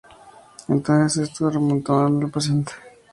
Entonces, esto es retornado al paciente.